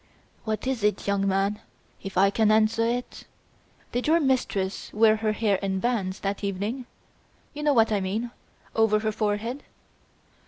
"What is it, young man? If I can answer it " "Did your mistress wear her hair in bands, that evening? You know what I mean over her forehead?"